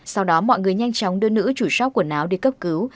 sau đó mọi người nhanh chóng đưa nữ chủ sóc quần áo đi cấp cứu